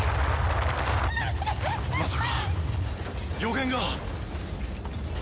まさか予言が！